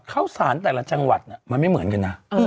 ข้าวสารแต่ละจังหวัดมันไม่เหมือนกันนะ